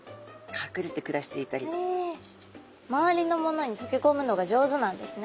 周りのものにとけこむのが上手なんですね。